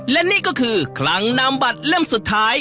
และนี่ก็คือคลังนามบัตรเล่มสุดท้าย